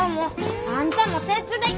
あんたも手伝い！